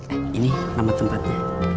eh ini nama tempatnya